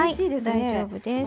大丈夫です。